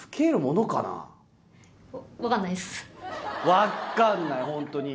分かんない本当に。